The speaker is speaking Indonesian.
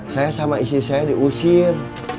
saya sama istri saya diusir